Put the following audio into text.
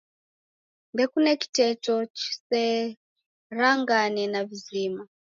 Ndekune kiteto chiserangane na vizima.